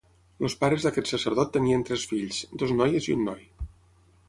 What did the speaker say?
Els pares d'aquest sacerdot tenien tres fills: dues noies i un noi.